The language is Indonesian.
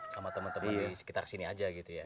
sama teman teman di sekitar sini aja gitu ya